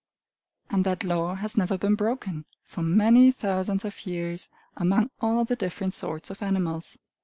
And that law has never been broken, for many thousands of years, among all the different sorts of animals.